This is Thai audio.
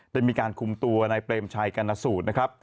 ได้มีการคุมตัวนายเปรมชัยกรณสูตรนะครับ